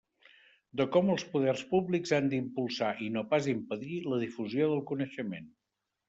De com els poders públics han d'impulsar i no pas impedir la difusió del coneixement.